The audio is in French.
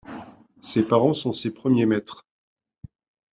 Ses parents sont ses premiers maîtres.